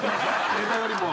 ネタよりも。